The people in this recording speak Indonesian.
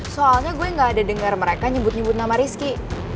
soalnya gue gak ada dengar mereka nyebut nyebut nama rizky